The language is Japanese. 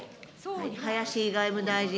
林外務大臣。